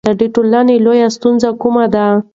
د ټولنې لویې ستونزې کومې دي؟